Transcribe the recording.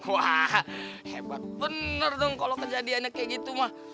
wah hebat bener dong kalau kejadiannya kayak gitu mah